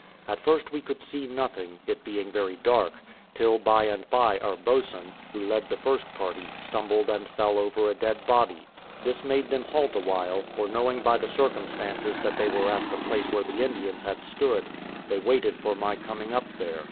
At first we could see nothing, it being very dark; till by and by our boatswain, who led the first party, stumbled and fell over a dead body. This made them halt a while; for knowing by the circumstances that they were at the place where the Indians had stood, they waited for my coming up there.